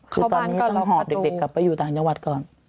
คือตอนนี้ต้องหอบเด็กกลับไปอยู่ต่างจังหวัดก่อน